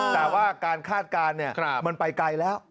แต่ว่าการคาดการณ์มันไปไกลแล้ว